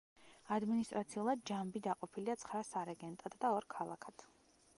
ადმინისტრაციულად ჯამბი დაყოფილია ცხრა სარეგენტოდ და ორ ქალაქად.